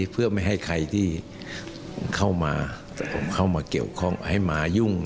เพื่อไม่ให้ใครที่เข้ามาแต่ผมเข้ามาเกี่ยวข้องให้มายุ่ง